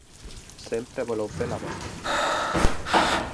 Sempre voleu fer la vostra.